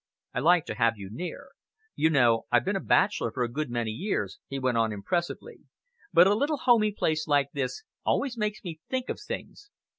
I like to have you near. You know, I've been a bachelor for a good many years," he went on impressively, "but a little homey place like this always makes me think of things.